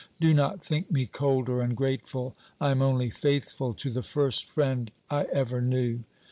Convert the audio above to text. Do not think me cold or ungrateful; I am only faithful to the first friend I ever knew.